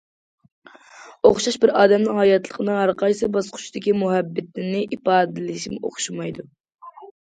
ئوخشاش بىر ئادەمنىڭ ھاياتلىقنىڭ ھەر قايسى باسقۇچىدىكى مۇھەببىتىنى ئىپادىلىشىمۇ ئوخشىمايدۇ.